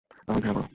আমায় ঘৃণা করো।